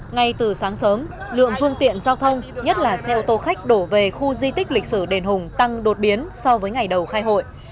ngay từ sáng sớm lượng phương tiện giao thông nhất là xe ô tô khách đổ về khu di tích lịch sử đền hùng tăng đột biến so với ngày đầu khai hội